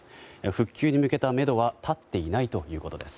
復旧に向けためどは立っていないということです。